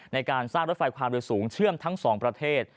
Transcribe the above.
ในการสร้างรถไฟความเร็วสูงเชื่อมทั้งสองประเทศ